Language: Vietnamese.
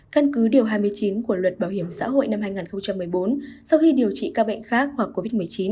căn cứ điều hai mươi chín của luật bảo hiểm xã hội năm hai nghìn một mươi bốn sau khi điều trị các bệnh khác hoặc covid một mươi chín